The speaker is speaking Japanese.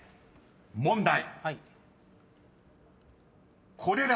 ［問題］